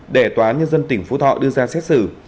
để tòa nhân dân tỉnh phú thọ đưa ra xét xử